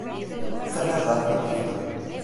Bu sefer Rahmi kızdı.